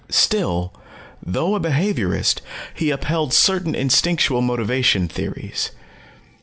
Still, though a behaviorist, he upheld certain instinctual motivation theories.